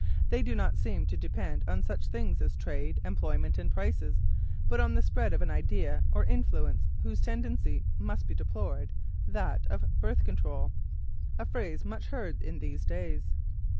They do not seem to depend on such things as trade, employment and prices; but on the spread of an idea or influence whose tendency must be deplored, that of "birth control," a phrase much heard in these days.